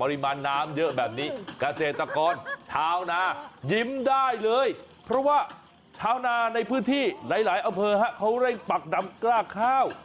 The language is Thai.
ปริมาณน้ำเยอะแบบนี้เกษตรกรชาวนายิ้มได้เลยเพราะว่าชาวนาในพื้นที่หลายอำเภอเขาเร่งปักดำกล้าข้าว